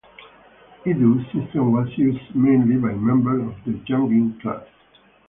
"Idu" system was used mainly by members of the Jungin class.